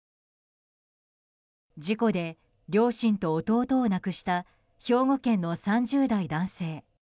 事故で両親と弟を亡くした兵庫県の３０代男性。